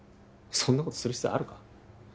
そんなことする必要あるか？